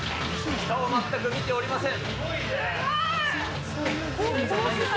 下を全く見ておりません。